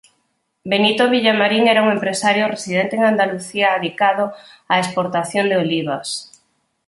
Benito Villamarín era un empresario residente en Andalucía adicado á exportación de olivas.